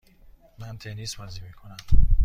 من تنیس بازی میکنم.